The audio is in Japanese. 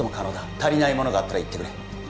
足りないものがあったら言ってくれ